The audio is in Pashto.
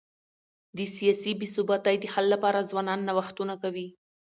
د سیاسي بي ثباتی د حل لپاره ځوانان نوښتونه کوي.